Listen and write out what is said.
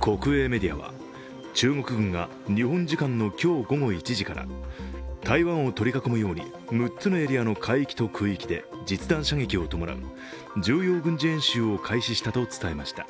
国営メディアは、中国軍が日本時間の今日午後１時から台湾を取り囲むように６つのエリアの海域と空域で実弾射撃を伴う重要軍事演習を開始したと伝えました。